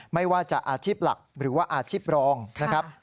ไม่ว่าจะอาชีพหลักหรือว่าอาชีพรองนะครับ